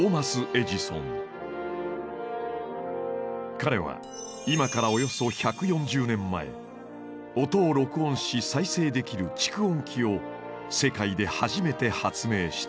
彼は今からおよそ１４０年前音を録音し再生できる蓄音機を世界で初めて発明した。